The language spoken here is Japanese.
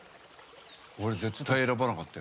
俺、絶対選ばなかったよ。